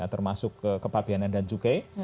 termasuk kepabianan dan cukai